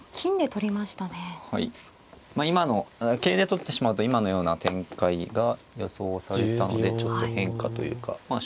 まあ今の桂で取ってしまうと今のような展開が予想されたのでちょっと変化というかまあ